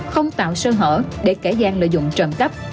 không tạo sơ hở để kẻ gian lợi dụng trọng cấp